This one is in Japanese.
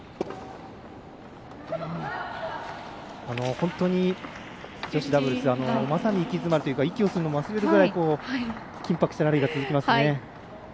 本当に女子ダブルスまさに息詰まるというか息をするのも忘れるぐらい緊迫したラリーが続きますね。